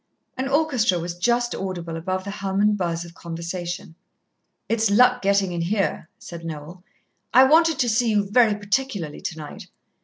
An orchestra was just audible above the hum and buzz of conversation. "It's luck getting in here," said Noel. "I wanted to see you very particularly tonight.